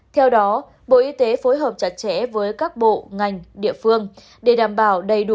theo đó bộ y tế phối hợp chặt chẽ với các bộ ngành địa phương để đảm bảo đầy đủ